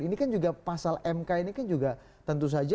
ini kan juga pasal mk ini kan juga tentu saja